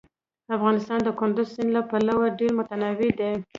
افغانستان د کندز سیند له پلوه ډېر متنوع دی.